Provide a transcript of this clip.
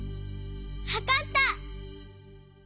わかった！